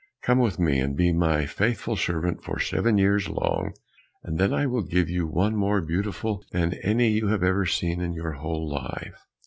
Come with me, and be my faithful servant for seven years long, and then I will give you one more beautiful than any you have ever seen in your whole life."